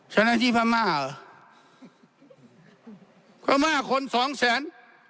ฉะนั้นที่พม่าเหรอพม่าคนสองแสน